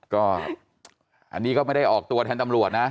ก็อันนี้ก็ไม่ได้ออกตัวแทนตำรวจนะ